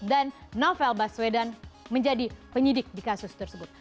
dan novel baswedan menjadi penyidik di kasus tersebut